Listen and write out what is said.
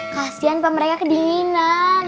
kasian pak mereka kedinginan